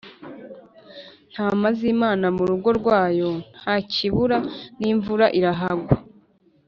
ntama z’imana murugo rwayo, ntakibura n’imvura irahagwa